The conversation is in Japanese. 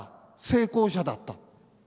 成功者だった。